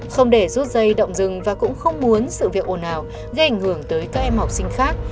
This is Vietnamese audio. không để rút dây động rừng và cũng không muốn sự việc ồn ào gây ảnh hưởng tới các em học sinh khác